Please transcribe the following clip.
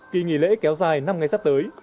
kỳ nghỉ lễ kéo dài năm ngày sắp tới